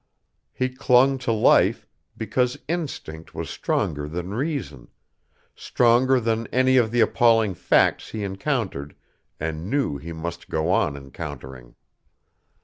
He clung to life because instinct was stronger than reason, stronger than any of the appalling facts he encountered and knew he must go on encountering.